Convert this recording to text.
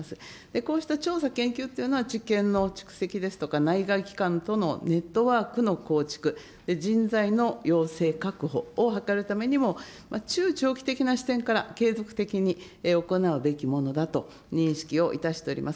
こうした調査研究というのは、知見の蓄積ですとか、内外機関とのネットワークの構築、人材の養成確保を図るためにも、中長期的な視点から継続的に行うべきものだと認識をいたしております。